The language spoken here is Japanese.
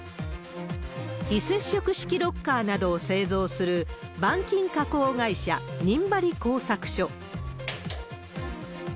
非接触式ロッカーなどを製造する板金加工会社、仁張工作所。